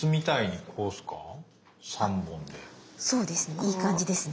いい感じですね。